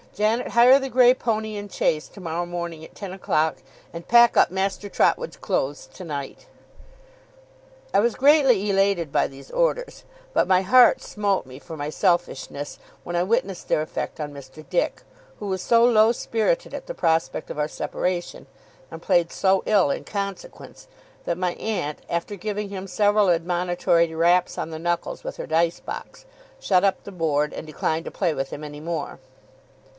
'Janet, hire the grey pony and chaise tomorrow morning at ten o'clock, and pack up Master Trotwood's clothes tonight.' I was greatly elated by these orders; but my heart smote me for my selfishness, when I witnessed their effect on Mr. Dick, who was so low spirited at the prospect of our separation, and played so ill in consequence, that my aunt, after giving him several admonitory raps on the knuckles with her dice box, shut up the board, and declined to play with him any more.